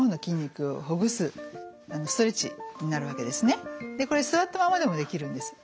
この運動はこれ座ったままでもできるんです。